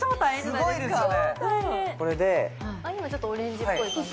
これで今ちょっとオレンジっぽい感じ